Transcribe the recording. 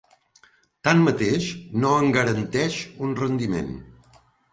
Tanmateix, no en garanteix un rendiment.